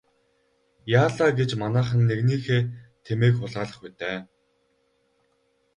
Яалаа гэж манайхан нэгнийхээ тэмээг хулгайлах вэ дээ.